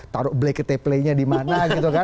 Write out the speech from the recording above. taruh black tape lay nya dimana gitu kan